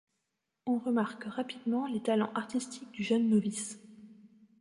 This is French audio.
On remarque rapidement les talents artistiques du jeune novice.